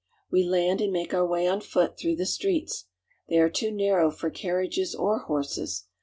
We land and make our way on foot through the streets. They are too narrow for carriages or horses.